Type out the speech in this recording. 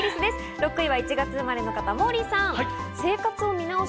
６位は１月生まれの方、モーリーさん。